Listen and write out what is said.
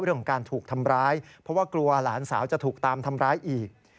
เรื่องของการถูกทำร้ายเพราะว่ากลัวหลานสาวจะถูกตามทำร้ายอีก